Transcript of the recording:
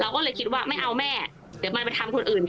ก็เลยคิดว่าไม่เอาแม่เดี๋ยวมันไปทำคนอื่น